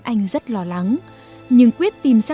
anh rất lo lắng nhưng quyết tìm ra